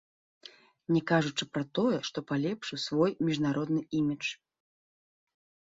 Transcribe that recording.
Не кажучы пра тое, што палепшыў свой міжнародны імідж.